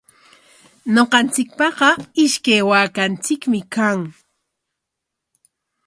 Ñuqanchikpaqa ishkay waakanchikmi kan.